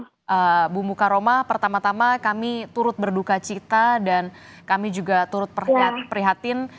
ibu mukaroma pertama tama kami turut berduka cita dan kami juga turut prihatin